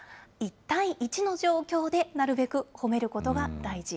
１対１の状況でなるべく褒めることが大事。